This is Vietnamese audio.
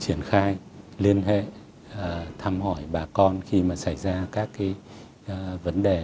triển khai liên hệ thăm hỏi bà con khi mà xảy ra các vấn đề